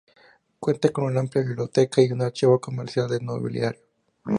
Cuenta con una amplia biblioteca y un archivo comercial de mobiliario.